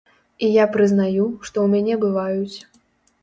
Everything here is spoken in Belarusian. І я прызнаю, што ў мяне бываюць.